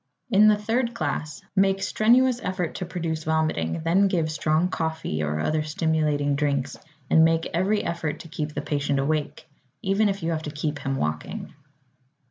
In the third class, make strenuous effort to produce vomiting, then give strong coffee or other stimulating drinks, and make every effort to keep the patient awake, even if you have to keep him walking.